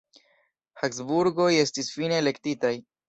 Habsburgoj estis fine elektitaj.